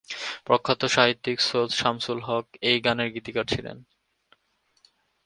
প্রখ্যাত সাহিত্যিক সৈয়দ শামসুল হক এই গানের গীতিকার ছিলেন।